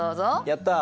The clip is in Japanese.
やった！